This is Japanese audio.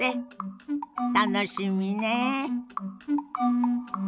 楽しみねえ。